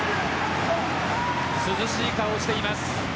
涼しい顔をしています。